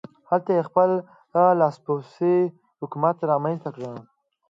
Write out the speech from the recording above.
هلته یې خپل لاسپوڅی حکومت رامنځته کړ.